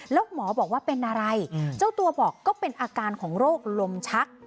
แล้วหมอบอกว่าเป็นอะไรเจ้าตัวบอกก็เป็นอาการของโรคลมชัก